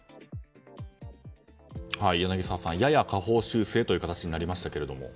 柳澤さん、やや下方修正という形になりましたけども。